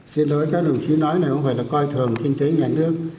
xin lỗi các đồng chí nói là không phải là coi thường kinh tế nhà nước